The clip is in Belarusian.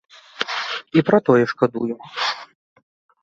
І пра тое шкадую.